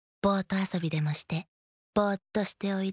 あそびでもしてボーッとしておいで。